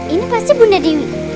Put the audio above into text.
ini pasti bunda dewi